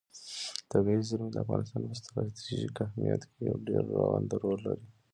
طبیعي زیرمې د افغانستان په ستراتیژیک اهمیت کې یو ډېر رغنده رول لري.